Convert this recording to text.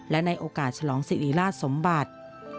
และในโอกาสฉลองสิริราชสมบัติ